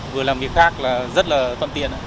vừa làm việc khác là rất là toàn tiện